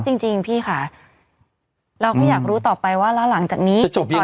จริงจริงพี่ค่ะเราก็อยากรู้ต่อไปว่าแล้วหลังจากนี้จะจบยังไง